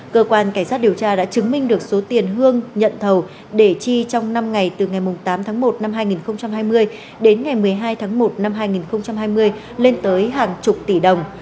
cơ quan cảnh sát điều tra đã chứng minh được số tiền hương nhận thầu để chi trong năm ngày từ ngày tám tháng một năm hai nghìn hai mươi đến ngày một mươi hai tháng một năm hai nghìn hai mươi lên tới hàng chục tỷ đồng